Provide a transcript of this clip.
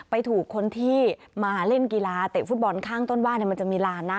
ไปถูกคนที่มาเล่นกีฬาเตะฟุตบอลข้างต้นว่ามันจะมีลานนะ